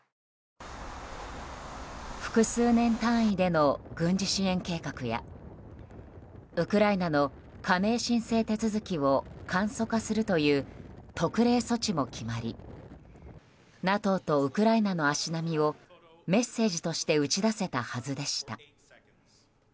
複数年単位での軍事支援計画やウクライナの加盟申請手続きを簡素化するという特例措置も決まりＮＡＴＯとウクライナの足並みをメッセージとして打ち出せたはずでした。